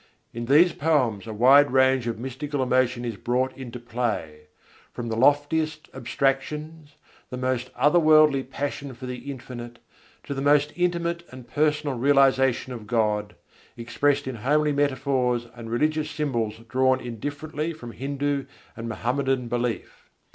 In these poems a wide range of mystical emotion is brought into play: from the loftiest abstractions, the most otherworldly passion for the Infinite, to the most intimate and personal realization of God, expressed in homely metaphors and religious symbols drawn indifferently from Hindu and Mohammedan belief.